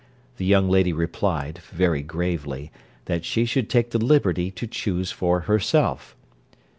The young lady replied, very gravely, that she should take the liberty to choose for herself.